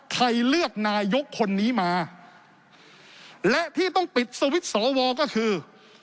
ใครเลือกนายกคนนี้มาและที่ต้องปิดสวิตช์สอวอก็คือ